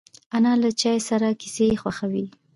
انا له چای سره کیسې خوښوي